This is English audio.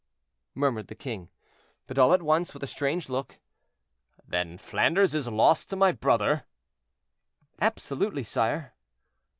murmured the king. But all at once, with a strange look. "Then Flanders is lost to my brother?" "Absolutely, sire."